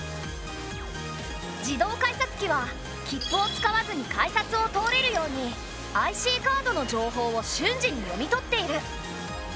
自動改札機は切符を使わずに改札を通れるようにＩＣカードの情報を瞬時に読み取っている。